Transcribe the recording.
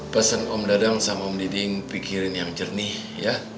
pesan om dadang sama om mendiding pikirin yang jernih ya